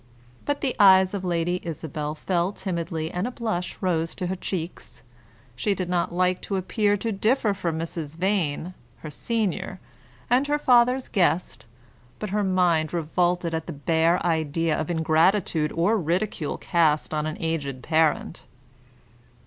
But the eyes of Lady Isabel fell timidly and a blush rose to her cheeks. She did not like to appear to differ from Mrs. Vane, her senior, and her father's guest, but her mind revolted at the bare idea of ingratitude or ridicule cast on an aged parent.